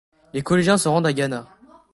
Les collégiens se rendent à Gannat.